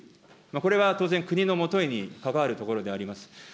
これは当然、国のもといに関わるところであります。